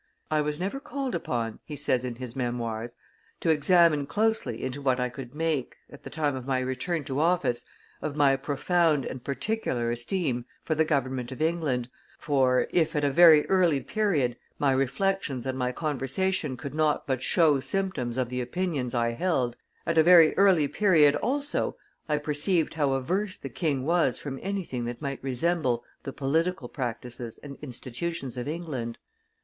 "I was never called upon," he says in his Memoirs, "to examine closely into what I could make, at the time of my return to office, of my profound and particular esteem for the government of England, for, if at a very early period my reflections and my conversation could not but show symptoms of the opinions I held, at a very early period, also, I perceived how averse the king was from anything that might resemble the political practices and institutions of England."